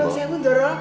nol sehun doro